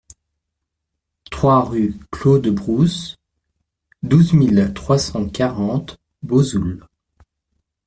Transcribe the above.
trois rue Claux de Brousse, douze mille trois cent quarante Bozouls